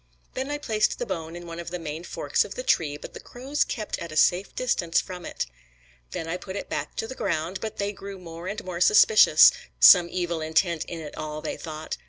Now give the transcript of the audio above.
Then I placed the bone in one of the main forks of the tree, but the crows kept at a safe distance from it. Then I put it back to the ground, but they grew more and more suspicious; some evil intent in it all, they thought.